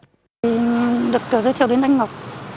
tôi được giới thiệu đến anh ngọc